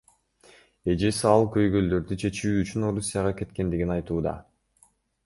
Эжеси ал көйгөйлөрдү чечүү үчүн Орусияга кеткендигин айтууда.